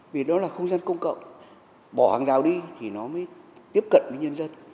vì nó là không gian công cộng bỏ hàng rào đi thì nó mới tiếp cận với nhân dân